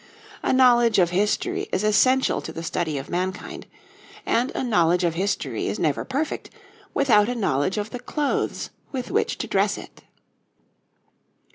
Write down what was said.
A knowledge of history is essential to the study of mankind, and a knowledge of history is never perfect without a knowledge of the clothes with which to dress it.